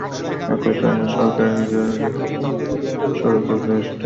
একই সঙ্গে সরকারকে ঈদের আগে সড়কে ফিটনেসবিহীন গাড়ি চলাচল বন্ধ করতে হবে।